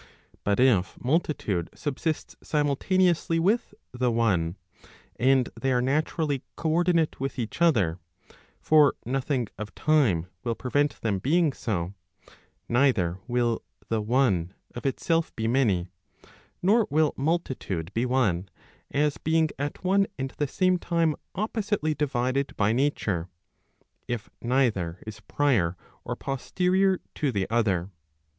But if multitude subsists simultaneously with the one , and they are naturally co ordinate with each other; for nothing of time will prevent them being so; neither will the one of itself be many, nor will multitude be one, as being at one and the same time oppositely divided by nature, if neither is prior or posterior to the other.